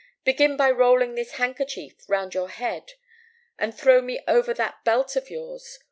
Begin by rolling this handkerchief round your head, and throw me over that belt of yours.